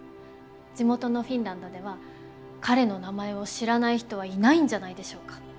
地元のフィンランドでは彼の名前を知らない人はいないんじゃないでしょうか。